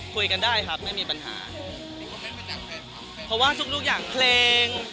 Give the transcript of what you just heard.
คุยกันได้ครับไม่มีปัญหาเพราะว่าทุกทุกอย่างเพลง